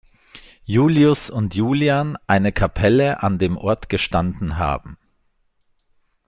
Julius und Julian, eine Kapelle an dem Ort gestanden haben.